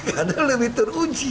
ganjar lebih teruji